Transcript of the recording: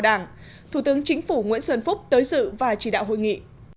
đảng thủ tướng chính phủ nguyễn xuân phúc tới dự và chỉ đạo hội nghị